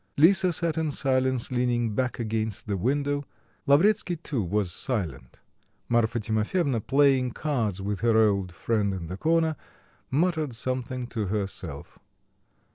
Lisa sat in silence leaning back against the window; Lavretsky too was silent. Marfa Timofyevna, playing cards with her old friend in the corner, muttered something to herself.